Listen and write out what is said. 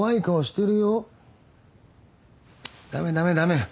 駄目駄目駄目。